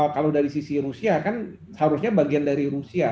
kalau dari sisi rusia kan seharusnya bagian dari rusia